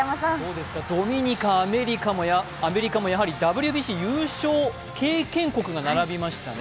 ドミニカ、アメリカもやはりＷＢＣ優勝経験国が並びましたね。